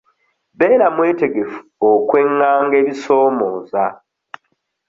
Beera mwetegefu okwenganga ebisoomooza.